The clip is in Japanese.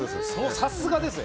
さすがですね。